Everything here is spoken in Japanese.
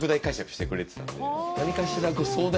「何かしら」。